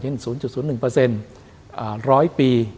อย่างเช่น๐๐๑ร้อยปี